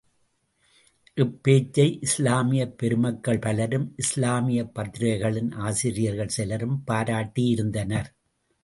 இப்பேச்சை இஸ்லாமியப் பெருமக்கள் பலரும், இஸ்லாமியப் பத்திரிகைகளின் ஆசிரியர்கள் சிலரும் பாராட்டியிருந்தனர்.